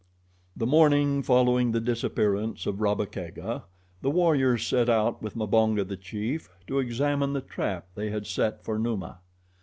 The morning following the disappearance of Rabba Kega, the warriors set out with Mbonga, the chief, to examine the trap they had set for Numa.